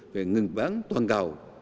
về ngừng bán toàn cầu